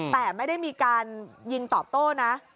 แต่ไม่ได้มีการยิงตอบโต้นะ